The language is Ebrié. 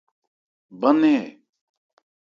Bán-nɛ́n ɛ ?